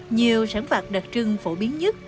nhiều sản vật đặc trưng phổ biến nhất